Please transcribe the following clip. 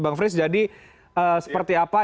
bang frits jadi seperti apa